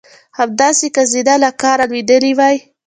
همداسې که زینه له کاره لوېدلې وای.